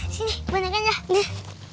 sini bonekanya deh